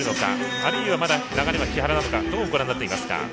あるいは、まだ流れは木原なのかどうご覧になっていますか？